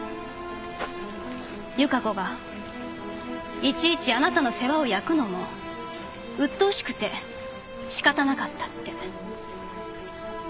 由加子がいちいちあなたの世話を焼くのもうっとうしくて仕方なかったって。